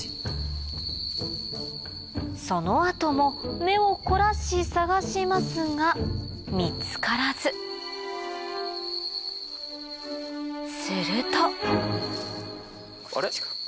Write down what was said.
その後も目を凝らし探しますが見つからずするとあれ？